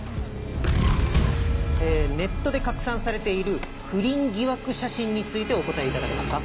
ネットで拡散されている不倫疑惑写真についてお答えいただけますか？